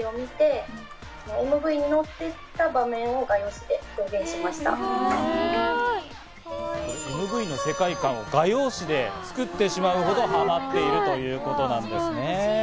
すごい！ＭＶの世界観を画用紙で作ってしまうほどハマっているということなんですね。